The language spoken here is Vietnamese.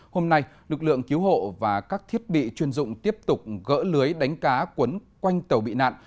hôm nay lực lượng cứu hộ và các thiết bị chuyên dụng tiếp tục gỡ lưới đánh cá quấn quanh tàu bị nạn